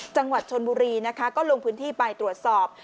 จังหวัดชนบุรีนะคะก็ลงพื้นที่ไปตรวจสอบ